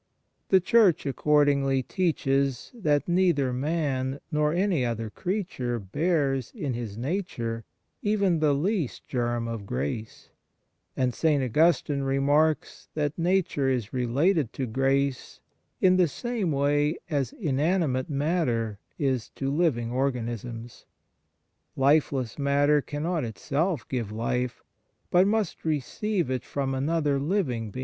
The Church accordingly teaches that neither man nor any other creature bears in his nature even the least germ of grace; and St. Augustine remarks that nature is related to grace in the same way as inanimate matter is to living organisms. Lifeless matter cannot itself give life, but must receive it from another living being.